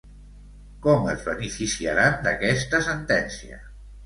Com es beneficiaran d'aquesta sentència?